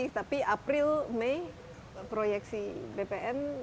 tapi april mei proyeksi bpn